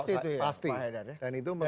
itu pasti itu ya